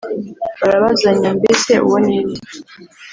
barabazanya: mbese uwo ni inde